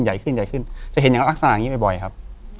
ใหญ่ขึ้นใหญ่ขึ้นจะเห็นอย่างลักษณะอย่างนี้บ่อยครับ